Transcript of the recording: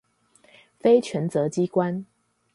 非權責機關